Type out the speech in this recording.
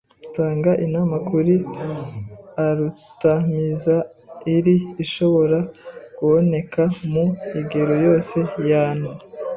Tanga inama kuri a rutamizairi ashoora kuoneka mu igero yose y’antu